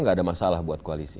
gak ada masalah buat koalisi